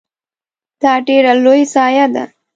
دا ډیره لوی ضایعه ده .